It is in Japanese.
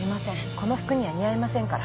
この服には似合いませんから。